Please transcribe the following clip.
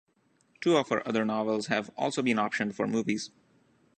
Two of her other novels have also been optioned for movies.